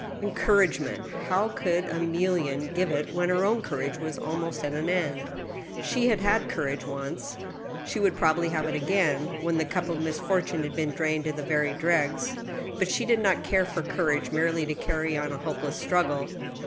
Encouragement ! How could Emiiienne give it when her own courage was almost at an end ? She had had courage once. She would probably have it again when the cup of misfortune had been drained to the very dregs ; but she did not care for courage merely to carry on a hopeless struggle.